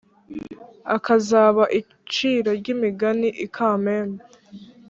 Akazaba iciro ry'imigani I Kambere